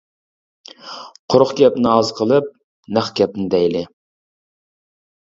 قۇرۇق گەپنى ئاز قىلىپ، نەق گەپنى دەيلى.